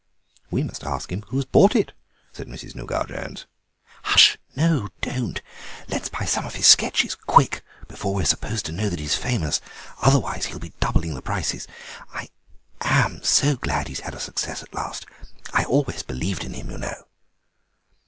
"We must ask him who has bought it," said Mrs. Nougat Jones. "Hush! no, don't. Let's buy some of his sketches, quick, before we are supposed to know that he's famous; otherwise he'll be doubling the prices. I am so glad he's had a success at last. I always believed in him, you know."